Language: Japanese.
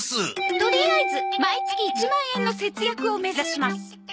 とりあえず毎月１万円の節約を目指します！え？